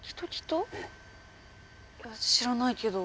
いや知らないけど。